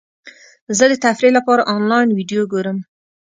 زه د تفریح لپاره انلاین ویډیو ګورم.